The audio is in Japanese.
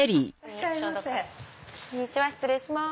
先に消毒こんにちは失礼します。